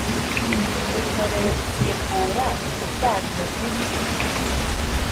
utorewe gusimbura uvanywe muri